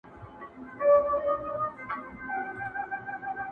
سپین کالي مي چېرته یو سم له اسمانه یمه ستړی.!